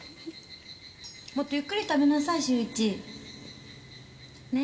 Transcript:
もっとゆっくり食べなさい周一。ね？